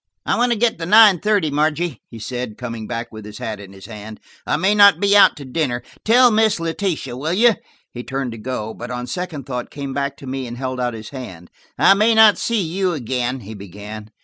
"I want to get the nine thirty, Margie," he said, coming back with his hat in his hand. "I may not be out to dinner. Tell Miss Letitia, will you?" He turned to go, but on second thought came back to me and held out his hand. "I may not see you again," he began.